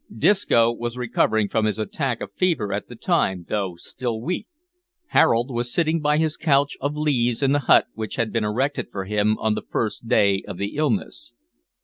Disco was recovering from his attack of fever at the time, though still weak. Harold was sitting by his couch of leaves in the hut which had been erected for him on the first day of the illness.